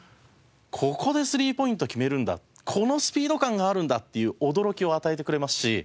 ここでスリーポイント決めるんだこのスピード感があるんだっていう驚きを与えてくれますし。